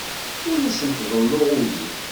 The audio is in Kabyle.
Ur asent-ḍelluɣ udi.